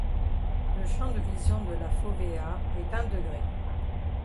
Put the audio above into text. Le champ de vision de la fovéa est d'un degré.